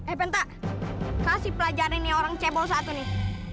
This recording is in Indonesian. eh penta kasih pelajaran nih orang cebol satu nih